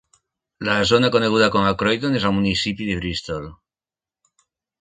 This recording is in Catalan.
La zona coneguda com a Croydon és al municipi de Bristol.